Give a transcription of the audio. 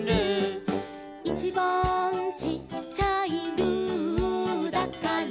「いちばんちっちゃい」「ルーだから」